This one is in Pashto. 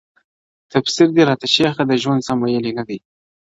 تفسير دي راته شیخه د ژوند سم ویلی نه دی.